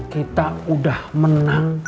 kita udah menang